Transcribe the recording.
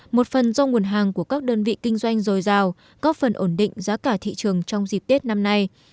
một phần do nguồn hàng của các đơn vị kinh doanh dồi dào có phần ổn định giá cả thị trường trong dịp tết năm nay